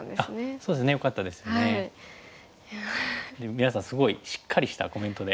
皆さんすごいしっかりしたコメントで。